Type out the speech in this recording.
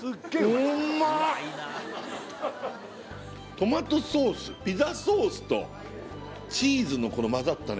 トマトソースピザソースとチーズのこの混ざったね